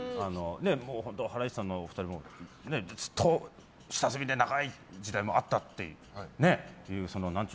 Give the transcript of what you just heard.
ハライチさんのお二人もずっと下積みで長い時代もあったっていう。